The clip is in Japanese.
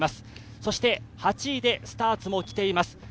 そして８位でスターツもきています。